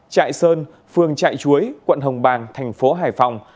trại sơn phường trại chuối quận hồng bàng thành phố hải phòng